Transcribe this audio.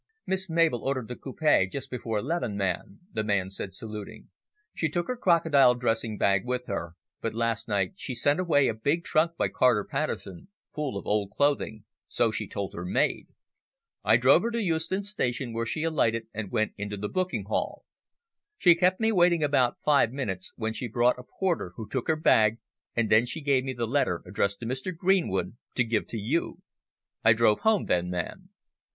"Miss Mabel ordered the coupe just before eleven, ma'am," the man said, saluting. "She took her crocodile dressing bag with her, but last night she sent away a big trunk by Carter Patterson full of old clothing, so she told her maid. I drove her to Euston Station where she alighted and went into the booking hall. She kept me waiting about five minutes, when she brought a porter who took her bag, and she then gave me the letter addressed to Mr. Greenwood to give to you. I drove home then, ma'am."